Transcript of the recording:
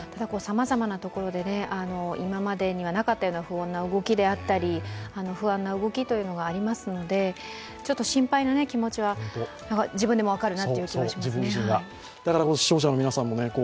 さまざまなところで、今までにはなかったような不穏な動きや不安な動きがありますので、ちょっと心配な気持ちは自分でも分かるなという感じがしますね。